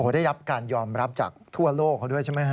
ได้รับการยอมรับจากทั่วโลกเขาด้วยใช่ไหมฮะ